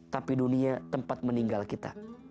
tapi dunia tempat meninggal kita